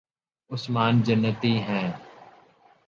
عثمان جنتی ہیں